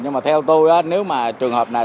nhưng mà theo tôi nếu mà trường hợp này